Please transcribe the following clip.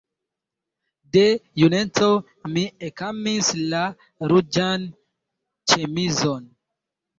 De juneco mi ekamis la ruĝan ĉemizon.